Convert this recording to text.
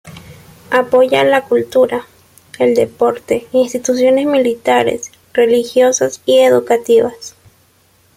Apoya la cultura, el deporte, instituciones militares, religiosas y educativas.